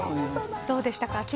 どうでしたか。